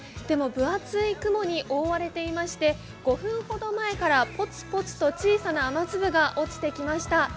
でも分厚い雲に覆われていまして５分ほど前からポツポツと小さな雨粒が落ちてきました。